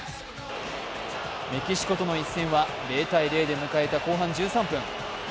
メキシコとの一戦は０−０で迎えた後半１３分。